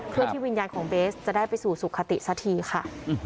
เพื่อที่วิญญาณของเบสจะได้ไปสู่สุขติสักทีค่ะ